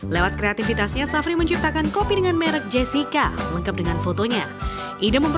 lewat kreativitasnya safri membuat kopi merk jessica lengkap dengan fotonya